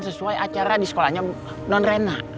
sesuai acara di sekolahnya nonrena